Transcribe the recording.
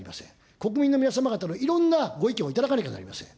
国民の皆様方のいろんなご意見を頂かなきゃいけません。